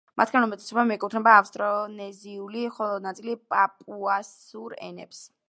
მათგან უმეტესობა მიეკუთვნება ავსტრონეზიული, ხოლო ნაწილი პაპუასურ ენებს.